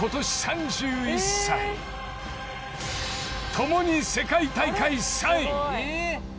［共に世界大会３位］